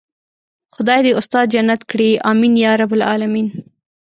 خدای دې استاد جنت کړي آمين يارب العالمين.